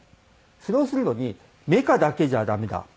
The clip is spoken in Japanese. それをするのにメカだけじゃダメだ。